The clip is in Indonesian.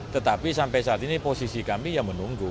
tetapi sampai saat ini posisi kami ya menunggu